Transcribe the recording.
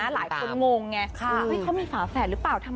หลายคนงงว่าเขามีฝ่าแฝดรึเปล่า